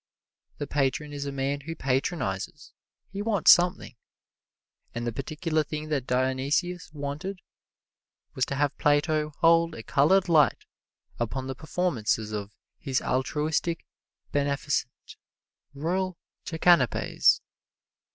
The patron is a man who patronizes he wants something, and the particular thing that Dionysius wanted was to have Plato hold a colored light upon the performances of His Altruistic, Beneficent, Royal Jackanapes.